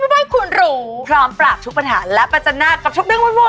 เพื่อให้คุณได้เป็นสุดยอดแม่บ้านตัวจริง